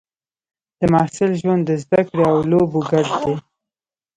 د محصل ژوند د زده کړې او لوبو ګډ دی.